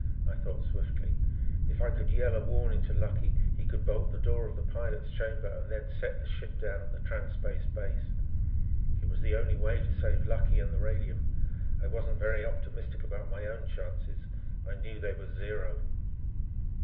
I thought swiftly. If I could yell a warning to Lucky, he could bolt the door of the pilot's chamber and then set the ship down at the Trans Space base. It was the only way to save Lucky and the radium. I wasn't very optimistic about my own chances. I knew they were zero.